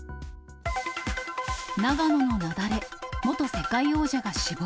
長野の雪崩、元世界王者が死亡。